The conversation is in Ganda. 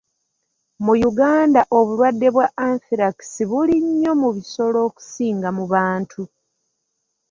Mu Uganda obulwadde bwa Anthrax buli nnyo mu bisolo okusinga mu bantu.